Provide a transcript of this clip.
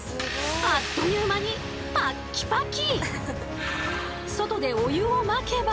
あっという間にパッキパキ！